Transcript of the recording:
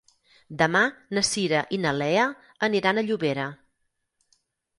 Demà na Cira i na Lea aniran a Llobera.